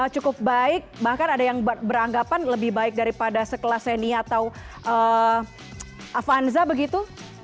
cukup baik bahkan ada yang beranggapan lebih baik daripada sekelas venia atau avanza begitu